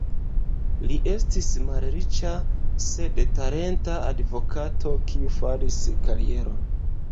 Li estis malriĉa, sed talenta advokato, kiu faris karieron.